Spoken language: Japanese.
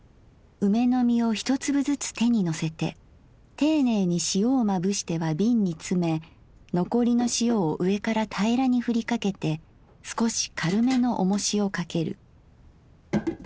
「梅の実を一粒ずつ手にのせて丁寧に塩をまぶしては瓶につめ残りの塩を上からたいらにふりかけてすこし軽めのおもしをかける。